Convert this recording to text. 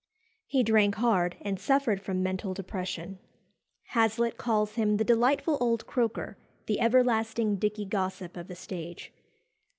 He drank hard, and suffered from mental depression. Hazlitt calls him "the delightful old croaker, the everlasting Dickey Gossip of the stage."